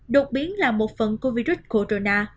đột biến là một phần của virus corona